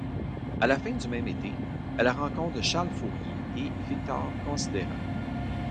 À la fin du même été, elle rencontre Charles Fourier et Victor Considerant.